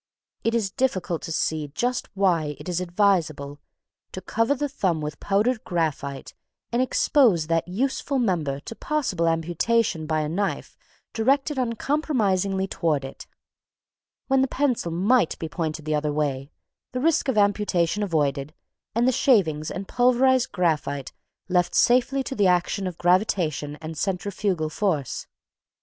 It is difficult to see just why it is advisable to cover the thumb with powdered graphite, and expose that useful member to possible amputation by a knife directed uncompromisingly toward it, when the pencil might be pointed the other way, the risk of amputation avoided, and the shavings and pulverised graphite left safely to the action of gravitation and centrifugal force.